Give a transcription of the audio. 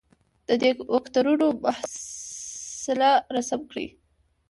د دې وکتورونو محصله رسم کړئ.